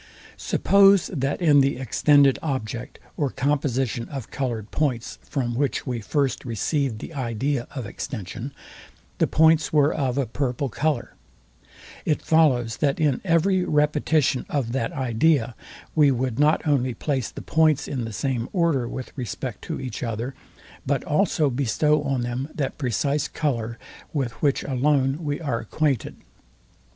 Suppose that in the extended object, or composition of coloured points, from which we first received the idea of extension, the points were of a purple colour; it follows, that in every repetition of that idea we would not only place the points in the same order with respect to each other, but also bestow on them that precise colour, with which alone we are acquainted.